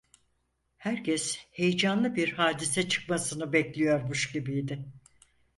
Herkes heyecanlı bir hadise çıkmasını bekliyormuş gibiydi.